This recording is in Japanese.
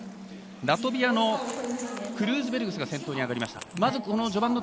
ラトビアのクルーズベルグスが先頭に上がりました。